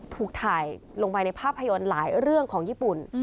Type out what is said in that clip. ถูกถ่ายลงไปในภาพยนตร์หลายเรื่องของญี่ปุ่น